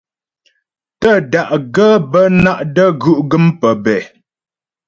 Tə́da'gaə́ bə́ ná’ də́gú' gə́m pəbɛ̂.